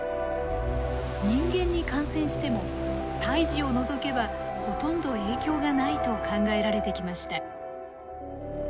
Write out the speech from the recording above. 人間に感染しても胎児を除けばほとんど影響がないと考えられてきました。